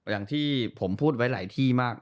อย่างที่ผมพูดไว้หลายที่มาก